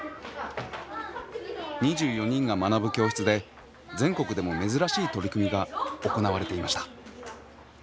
２４人が学ぶ教室で全国でも珍しい取り組みが行われていました。